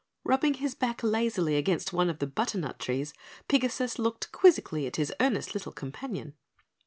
Rubbing his back lazily against one of the butternut trees, Pigasus looked quizzically at his earnest little companion.